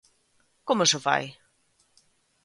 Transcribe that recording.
¿Como se fai?